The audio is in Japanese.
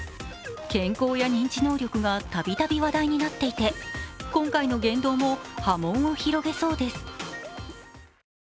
健康や認知能力がたびたび話題になっていて、今回の言動も波紋を広げそうです。